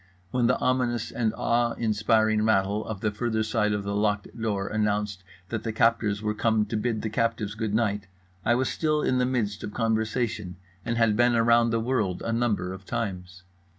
When the ominous and awe inspiring rattle on the further side of the locked door announced that the captors were come to bid the captives good night, I was still in the midst of conversation and had been around the world a number of times.